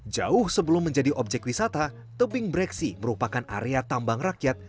jauh sebelum menjadi objek wisata tebing breksi merupakan area tambang rakyat